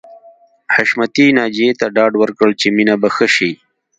حشمتي ناجیې ته ډاډ ورکړ چې مينه به ښه شي